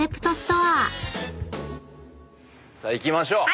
さあいきましょう。